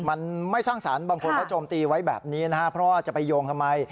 มันไม่สร้างสรรค์บางคนเขาโจมตีไว้แบบนี้นะฮะเพราะว่าจะไปโยงทำไม